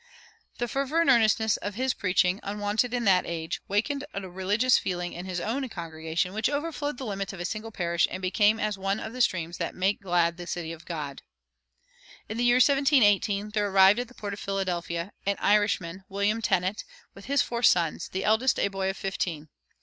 The fervor and earnestness of his preaching, unwonted in that age, wakened a religious feeling in his own congregation, which overflowed the limits of a single parish and became as one of the streams that make glad the city of God. In the year 1718 there arrived at the port of Philadelphia an Irishman, William Tennent, with his four sons, the eldest a boy of fifteen.